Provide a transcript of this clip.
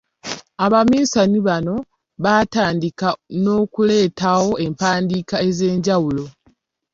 Abaminsani bano baatandika n’okuleetawo empandiika ez’enjawulo.